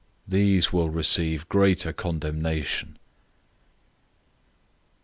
These will receive greater condemnation."